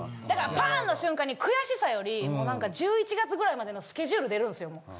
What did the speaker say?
だからパーン！の瞬間に悔しさより１１月ぐらいまでのスケジュール出るんすよ。